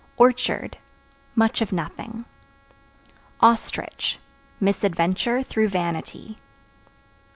Orchard Much of nothing. Ostrich Misadventure through vanity.